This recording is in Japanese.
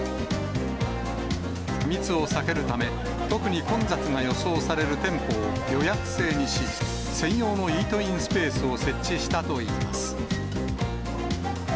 密を避けるため、特に混雑が予想される店舗を予約制にし、専用のイートインスペースを設置したといいます。